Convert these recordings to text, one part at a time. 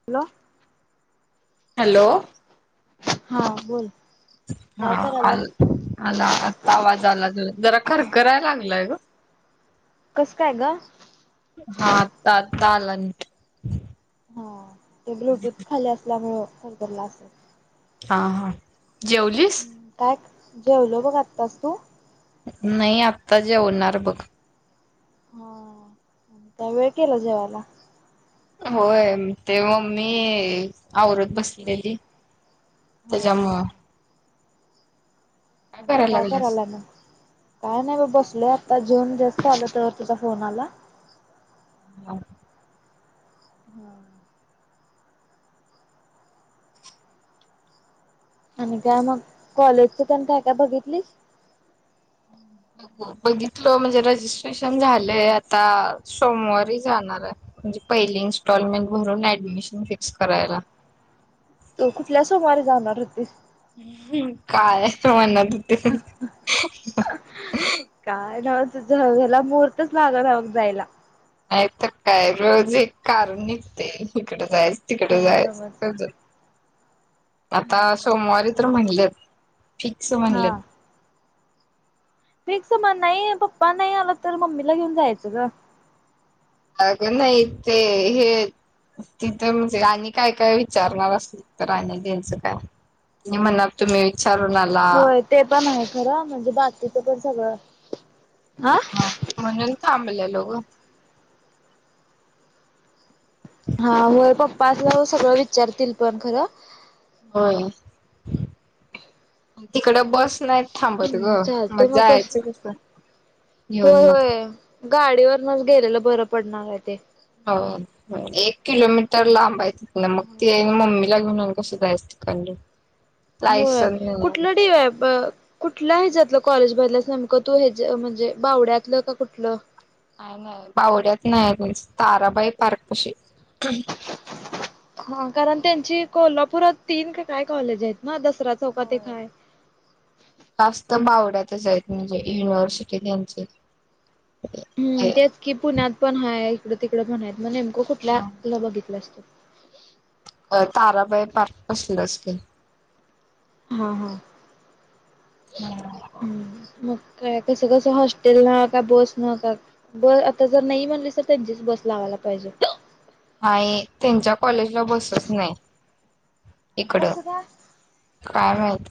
Hello. Hello हा बोल. हा काय आ करायल्यास? आला आता आवाज आला ज जरा खरखराय लागलंय ग. कसं काय ग? हा आता आता आला. हा ते ब्लुटूथ खाली असल्यामुंळ झालं असेल. हा हा जेवलीस? जेवल बघ आत्तास तू. नाही आता जेवणार बघ. हा त्या वेळ केला जेवायला. होय ते मग मी आवरत बसलेली. हा तेच्या मुळ. काय लागल्यास करायला ना काय नाही बा बसले आता. जेन जास्त आल तर तुझा फोन आला. ह [unintelligible] हम् [unintelligible] आणि काय मग कॉलेजच त्यांण काय काय बघितलीस. बघितलं म्हणजे रजिस्ट्रेशन झालंय आता सोमवारी जाणार आहे. म्हणजे पहिली इन्स्टॉलमेंट भरून ऍडमिशन फिक्स करायला. तो कुठल्या सोमारे जाणार होती. काय म्हणण हो ते. ला महूर्तच लाग नाव जायला. नाही तर काय रोज एक कारण निघते इकड जायचं. तिकडे काय नव्हच. जायचज आता सोमवारी तर म्हटल. फिक्स हा म्हटलं. फिक्स मग नाही पप्पा नाही आला तर मम्मीला घेऊन जायचं ग. अग नाही ते हे. तिथं म्हणजे आणि काय काय विचारणार असल तर आणि घचं काय म्हण तुम्हीच होय ते पण आहे खरं म्हणजे बाकीचं पण सगळं हा म्हणजून थांबले लो हा हो पप्पा अस सगळं विचारतील पण खरं होय तिकड बस नाही थांबवत ग हम्म चालते मग मजा यायच कस होय घेऊन मग होय गाडीवरनच गेलेलं बरं पडणार आहे ते हो एक किलोमीटर लांबाय त ना मग ती आहे मम्मी [unintelligible] लाग म्हूनमक सुधायसत क हो कुठलं डीआयप कुठला हेच्यातल कॉलेज भरल्यास नेमकं तू हे‌च्या म्हणजे बावड्यातलं का कुठलं नाही -नाही बावड्यात नाही ताराबाई पार्क पशी [inaudible] हा कारण त्यांची कोल्हापुरात तीन काय कॉलेज आहेत ना दसरा चौकात एक होय. आहे [inaudible] जास्त म्हणजे युनिव्हर्सिटी त्यांचे हम् तेच कि पुण्यात पण हा इकडं तिकडं पण आहेत मग नेमकं कुठल्याला बघितलं असतं ताराबाई पार्क पसलच असतील हा -हा हम् [inaudible] हम्म मग कसं कसं हॉस्टेल ना का बस ना का बस आता जर नाही म्हणली तर त्यांचीच बस लावायला लागत्या पाहिजे [inaudible] आणि त्यांच्या कॉलेजला बसच नाही कस इकडं काय काय माहीत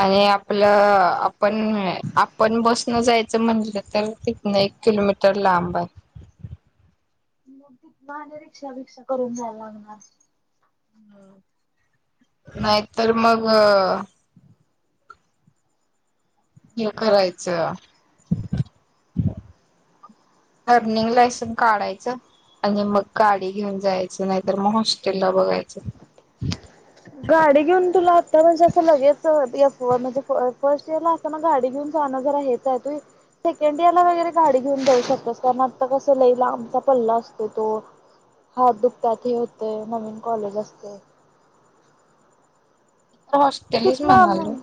आणि आपलं अगं त्यांच आपण [inaudible] आपण बसण जायच म्हजलं तर तिन एक किलोमीटर लांब आहे [inaudible] मग तिथ आणि रिक्षा -बिक्षा करून जायला लागणार नाही तर मग [inaudible] हे करायचं [inaudible] लर्निंग लायसनस काढायचं [inaudible] आणि मग गाडी घेऊन जायचं नाहीतर मग हॉस्टेल ला बघायचं गाडी घेऊन तुला म्हणजे असं लगेच म्हण फर्स्ट इयर ला असताना गाडी घेऊन जाणं जरा हेच आहे त सेकंड इयर ला वगैरे गाडी घेऊन जाऊ शकतेस कारण आता कसं लईला आमचा पल्ला असतो तो हात दुखत्यात हे होतय नवीन कॉलेज असतय हॉस्टेलच म्हणालोय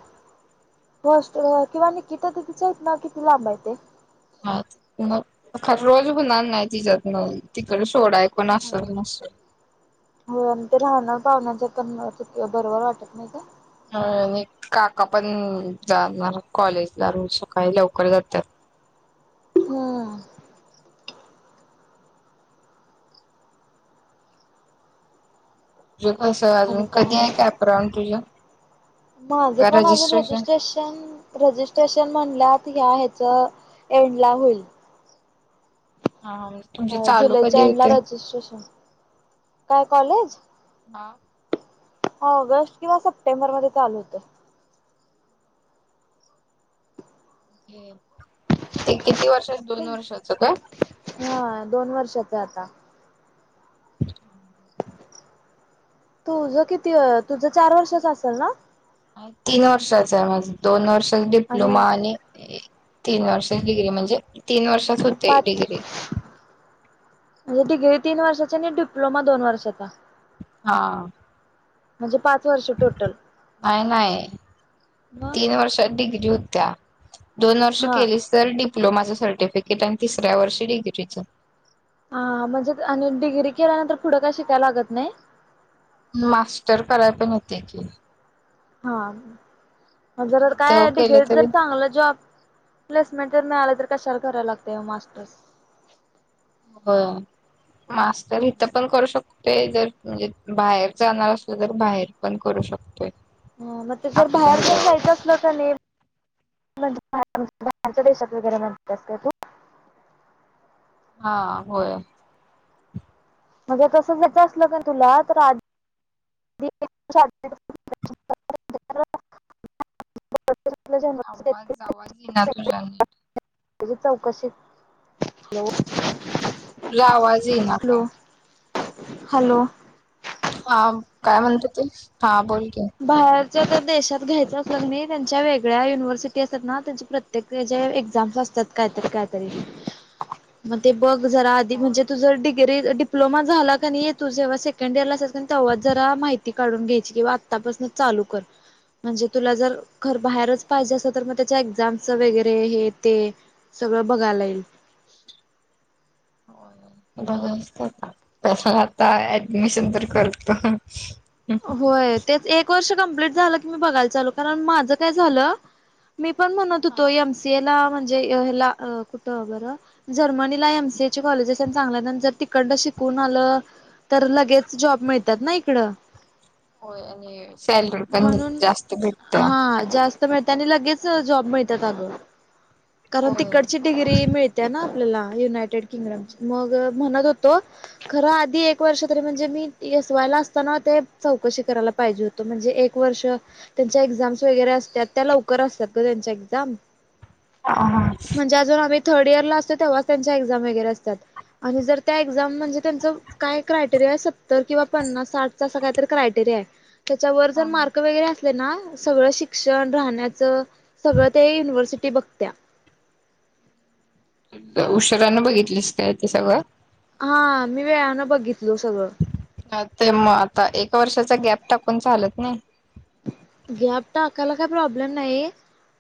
होस्टेलवर किंवा निकिता दीदीच्या हितन किती लांबा ते ह [inaudible] रोज नाही तिच्यातन तिकडे सोडायकण असल हो नसल [inaudible] पाहुण्यांच्यात पण बरोबर वाटत नाही काय आणि काका पण जाणार कॉलेजला रोज सकाळी लवकर जातात हम्म [inaudible] तुझे कस अजून आणि कधी आहे कॅपराऊंड तुझं माझे का पण अजून रजिस्ट्रेशन रिट्रेश रिट्रेशन म्ह एंडला होईल हा तुमचे चालू जुलैच्या कधी एंडला होते रजिस्ट्रेशन काय कॉलेज हा ऑगस्ट किंवा सप्टेंबर मध्ये चालू होतं ते किती वर्षात दोन वर्षाच काय [inaudible] जाता [inaudible] तुझ किती तुझं चार वर्षच असेल ना तीन वर्षाच आहे माझ दोन वर्षाचा डिप्लोमा आणि तीन वर्ष डिग्री म्हणजे तीन वर्षात होते पाच डिग्री म्हणजे डिग्री तीन वर्षाचा आणि डिप्लोमा दोन वर्षाचा हा म्हणजे पाच वर्ष टोटल नाही नाही मग तीन [inaudible] वर्षात डिग्री होत्या दोन वर्ष हा केलीस तर डिप्लोमाचं सर्टिफिकेट आणि तिसऱ्या वर्षी डिग्रीचं हा म्हणजे आणि डिग्री केल्यानंतर पुढं काय शिकायला लागत नाही. मास्टर कराय पण येते की. हा. जर इथं काय केलं डग्री तरी जर चांगलं जॉब प्लेसमेंट जर मिळालं. कशाला करायला लागत मास्टर्स. हो मास्तर इथ पण करू शकतो. ते जर म्हणजे बाहेर जाणार असल तर बाहेर पण करू शकतोय. ह मग ते जर आपल्या बाहेर पण ह्याच्यावर जायचं असल का नाही. ण भारच्या देशात वगैरे म्हण असते तू. हा होय. म्हणजे तसं जायचं असलं का तुला तर आ. [inaudible] आवाज आवाज येईना तुझा तुझा नीट. मी चौकशी हॅलो! तुला आवाज येईना का? हॅलो! हा काय म्हणत ते हा बोल. की भार. ज जर देशात घ्यायच असतल ते. त्या काय त्या काय ताई मग ते. बघ जरा आधी म्हणजे तुझर डिग्री डिप्लोमा झाला का तू जेव्हा सेकंड इयर ला. तेव्हा जरा माहिती काढून घ्यायची किंवा आत्तापासून चालू कर. म्हणजे तुला जर बाहेर पाहिजे अस तर मग त्याच्या एक्झाम्स वगैरे हे ते सगळं बघायला येईल. [inaudible] बघत पण तसं आता ऍडमिशन तर करतो. होय तेच एक वर्ष कंप्लीट झालं की मी बघायला चालू कारण माझं काय झालं. मी पण म्हणत होतो एमसीए ला म्हणजे मला कुठ. कॉलेजेस आणि चांल्यानंतर. कंड शिकून आलं तर लगेच जॉब मिळतात ना इकडं. होय आणि सॅलरी पण म्हणून जास्त भेटत. हा जास्त मिळत आणि लगेच जॉब मिळत अग कारण होय तिकडची डिग्री मिळते ना. आपला युनायटेड किंग्डम मग. म्हणत होतो खर आधी एक वर्ष तरी म्हणजे मीवायला असताना ते चौकशी करायला. हो म्हणज एक वर्ष त्यांच्या एक्झाम वगैरे असतात त्या लवकर असतात ग त्यांच्या एक्झाम. ह. म्हणजे अजून आम्ही थर्ड इयर ला असतो तेव्हा त्यांच्या एक्झाम वगैरे असतात. आणि जर त्या एक्झाम म्हणजे त्यांच काय्रयटेरिया आहे सत्तर किंवा पन्नास साठचं असं काय तर क्रायटेरिया त्याच्या वर मार्क वगैरे असले. ना सगळं शिक्षण राहण्याचं सगळं ते युनिव्हर्सिटी बघत्या. उशीराने बघितलीस काय ते सगळं. हा मी वेळाने बघितलो सगळं. ते मग आता एका वर्षाचा गॅप टाकून चालत नाही. गॅप टाकायला काय प्रॉब्लेम नाही.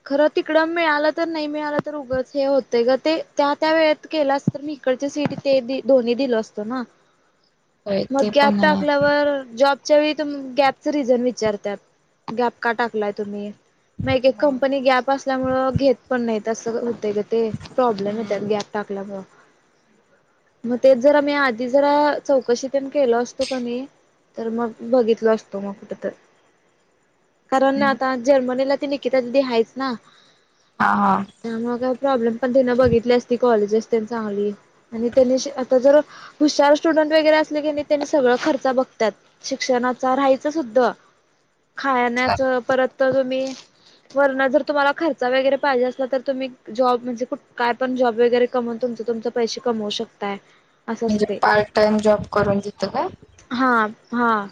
खरं तिकडं मिळालं तर नाही मिळालं तर उगाच हे होत ग ते त्या त्या वेळेत केल असतं मी इकड सीट ते दोन्ही दिलं असतं ना. [inaudible] मग ते गॅप पण आहे. टाकल्यावर जॉब. त्याच्याळी तुम गॅपच रिझन विचारत गॅप का टाकलाय तुम्ही मा कंपनी गॅप असल्यामुळे घेत पण नाही तस ते ते प्रॉब्लेम येतात गॅप टाकल्यामुळे [inaudible] मग तेच जरा मी आधी जरा चौकशीतण केल असतो का नाही तर मग बघितलो असतो मग कुठंत कारण आता जर्मनीला निकिता दीदी हाय ना हा हा त्यामुळे का प्रॉब्लेम पण बघित अस कॉलेज चग त्यांनी आता जर हुशार स्टुडंट वगैरे असले की त्यांनी सगळ खर्च बघ त्यात शिक्षणाचा राहायचं सुद्धा [inaudible] खाण्याच जर परत तुम्ही वरण जरुमलार्चा वगैरे पाहिजे असला तर तुम्ही जॉब म्हणे काय पण जॉब वगैरे कमवून तुम पैसे कमवू शकता म्हणजे पार्ट टाइम जॉब करून देत का हां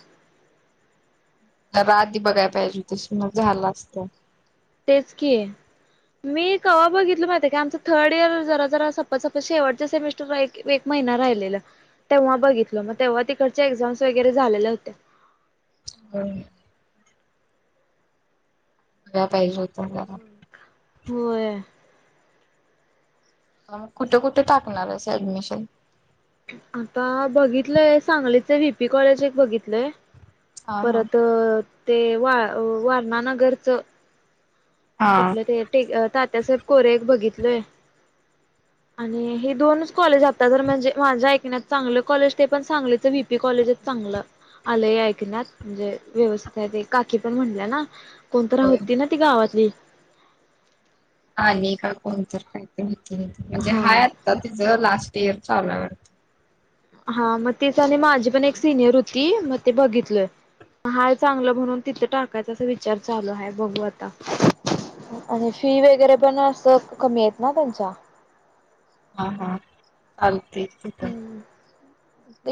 आधी बघायला पाहिजे तस मग झाला असत तेच कि मी कवा बघितलं माहिती की आमचं थर्ड इयर जरा जरा सप शेवट सेमिस्टरहि हाय ना राहिलेलं तेव्हा बघितलं तेव्हा तिकडचे एक्झाम झालेल्या होत्या हम बघायला पाहिजे होत जरा होय मग कुठे कुठे टाकणारच ऍडमिशन आता बघितलंय सांगलीच व्हीपी कॉलेज एक बघितलंय हा हा. परत ते वा वारणानगरचं हा. कुठलं ते तात्यासाहेब कोरे एक बघितलय [inaudible] आणि हे दोनच कॉलेज आता जर म्हणजे माझ्या ऐकण्यात चांगले कॉलेज ते पण सांगलीच व्हीपी कॉलेज चांग चांगलं आलंय ऐकण्यात म्हणजे व्यवित काकी पण म्हटल्या ना कोणत होय. होती ना ती गावातली का कोणत का म्हणजे हाय हा आता तिचं लास्ट इयर चाल वाटत हा मग तेच आणि माझी पण एक सिनियर होती मग ते बघितलय हाय चांगलं म्हणून तिथं टाकायचं अस विचार चालू आहे बघू आता आणि फी वगैरे पण अस कमी आहेत ना त्यांच्या हा हा चालते तर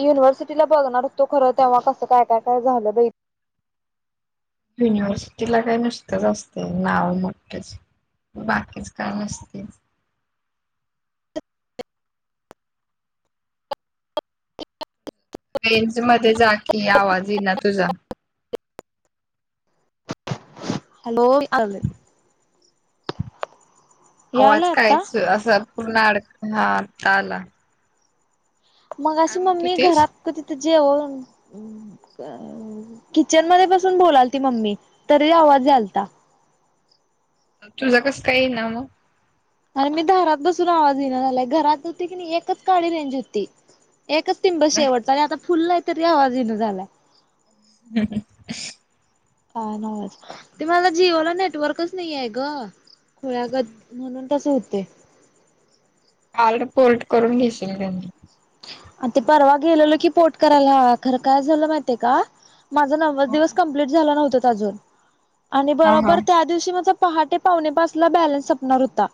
युनिव्हर्सिटीला बघणार असतो खरं तेव्हा कसं काय काय काय झालं ब युनिव्हर्सिटीला काय नसतच असत नाव मोठ्याच बाकीच काय नसतील रेंज मध्ये जा की आवाज ये ना तुझा हॅलो याला आवाज आता करायच असा पूर्ण अड हा आता आला मग काय अशी म्हणत मम्मी होतीस? घरात तिथं जेवन अ किचन मध्ये बसून बोलाल ती मम्मी तरी आवाज झालता तुझं कसं काही नाम अरे मी दरात बसून आवाज येन आलाय घरात होती की नाही एकच काडी रेंज होती एकच तिंबा शेवडत आणि आता फुल आहे तरी आवाजीन झालाय ह ह नवाज ते मला जिओ ला नेटवर्कच नाही आहे ग खोळागत म्हणून तसे होते हम्म पोर्ट करून घेशील त्यांनी आ ते परवा गेलेलो की पोर्ट करायला ह खरं काय झालं माहितीय का? माझा नव्वद दिवस कंप्लीट झाला नव्हतीत अजून आणि हा हा. बरोबर त्या दिवशी माझ पहाटे पावणेपाचला बॅलन्स सपणार हुता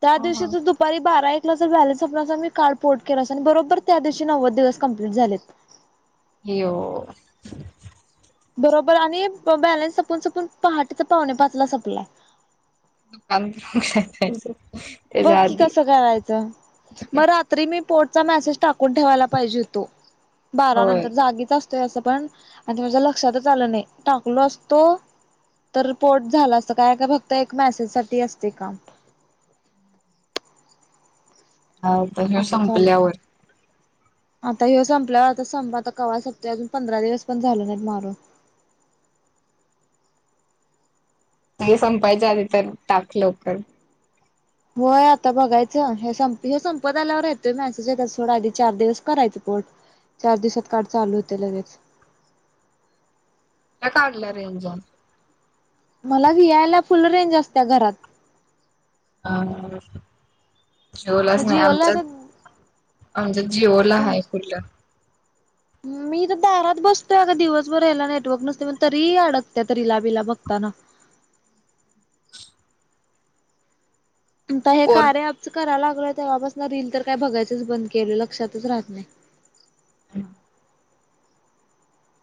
त्या हा दिवशी हा. तर दुपारी बारा एकला जर बॅलन्स सपलाअसता तर मी काल पोर्ट केलं बरोबर त्या दिवशी नव्वद दिवस कंप्लीट झालेत. ही यो बरोबर आणि बॅलन्स सपून सपून पहाटेचा पाहुणे पाचला संपलाय. [unintelligible] त्याच्या बघकी आधी कसं करायचं? मग रात्री मी पोर्टचा मेसेज टाकून ठेवायला पाहिजे होतो बारा होय नंतर जागीच अस तोय असं पण आणि माझ्या लक्षातच आलं नाही टाकलो असतो तर पोर्ट झाला असत काय का फक्त एक मेसेज साठी असतय काम आता ह्यो असं झालं. संपल्यावर आता ह्यो संपल्यावर आता संप आता कवा संपतोय अजून पंधरा दिवस पण झालं नाहीत मारून [inaudible] नाही संपायच्या आधी तर टाक लवकर होय आता बघायचं ह्यो संपतोय ह्यो संपत आल्यावर येतोय मॅसेज येत्यात थोड्या आधी चार दिवस करायचं बर चार दिवसात कार्ड चालू होतय लगेच होय कार्डला रेंज हाय मला व्ही आय ला फुल रेंज असत्या घरात हा ह जिओलाच नाही जिओला तर आमच्यात आमच्यात जिओला तुम हाय फुल्ल [inaudible] मी तर दारात बसतोय अग दिवसभर याला नेटवर्क नसतय म्हणून तरी ही अडकत्यात रीलाबिला बघताना [unintelligible] आता हे पोर कार्या अँपचं कराय लागलो य तेवपसन रील तर काय बघायचच बंद केलं लक्षातच राहत नाही. [unintelligible]